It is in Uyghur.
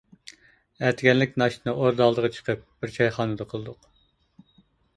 ئەتىگەنلىك ناشتىنى ئوردا ئالدىغا چىقىپ، بىر چايخانىدا قىلدۇق.